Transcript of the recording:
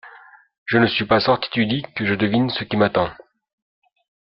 Je ne suis pas sorti du lit que je devine ce qui m’attend.